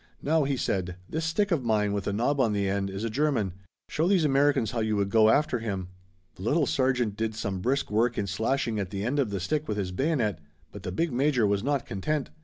"Now," he said, "this stick of mine with a knob on the end is a German. Show these Americans how you would go after him." The little sergeant did some brisk work in slashing at the end of the stick with his bayonet but the big major was not content.